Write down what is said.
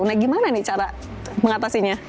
nah gimana nih cara mengatasinya